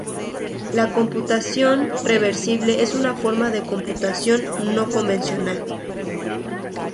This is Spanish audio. La computación reversible es una forma de computación no convencional.